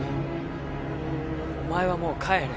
お前はもう帰れ。